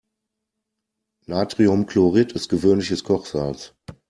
Natriumchlorid ist gewöhnliches Kochsalz.